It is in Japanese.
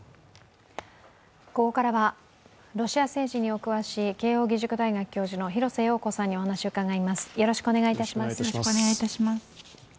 ここからはロシア政治にお詳しい慶応義塾大学教授の廣瀬陽子さんにお話を伺います。